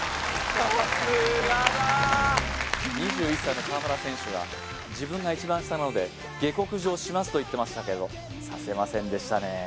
さすがだー２１歳の河村選手が「自分が一番下なので下克上します」と言ってましたけどさせませんでしたね